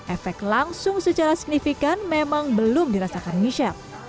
efek langsung secara signifikan memang belum dirasakan michelle